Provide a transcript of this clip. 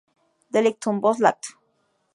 Delictum:Voz lat.